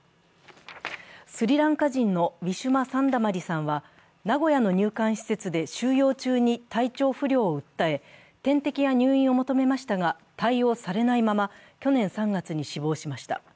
スリランカ人のウィシュマ・サンダマリさんは名古屋の入管施設で収容中に体調不良を訴え、点滴や入院を求めましたが、対応されないまま去年３月に死亡しました。